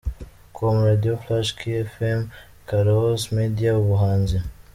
com, Radio flash, Kfm, Karaos Media, Umuhanzi.